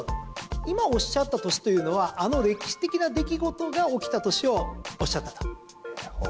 今、おっしゃった年というのはあの歴史的な出来事が起きた年をおっしゃったと？